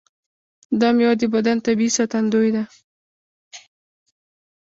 دا میوه د بدن طبیعي ساتندوی ده.